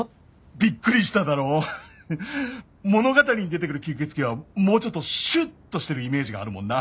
「びっくりしただろう」「物語に出てくる吸血鬼はもうちょっとシュッとしてるイメージがあるもんな」